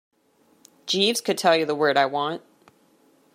Jeeves could tell you the word I want.